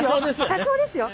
多少ですよ！